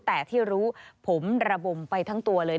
แต่ที่รู้ผมระบมไปทั้งตัวเลย